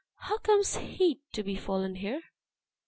how comes he to be fallen here?"